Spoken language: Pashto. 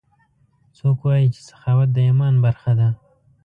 څوک وایي چې سخاوت د ایمان برخه ده